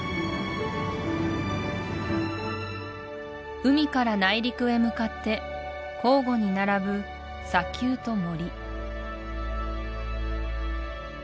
海から内陸へ向かって交互に並ぶ砂丘と森